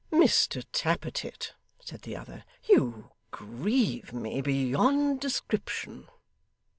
'Mr Tappertit,' said the other, 'you grieve me beyond description.